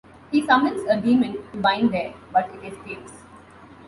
He summons a demon to bind there, but it escapes.